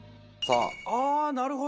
ああなるほど！